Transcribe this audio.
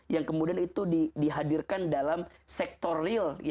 yang kemudian itu dihadirkan dalam sektor real